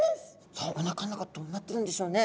さあおなかの中どうなってるんでしょうね。